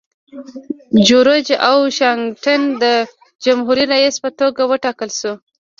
جورج واشنګټن د جمهوري رئیس په توګه وټاکل شو.